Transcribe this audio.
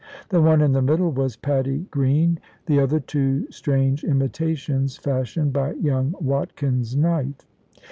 The one in the middle was "Patty Green," the other two strange imitations fashioned by young Watkin's knife.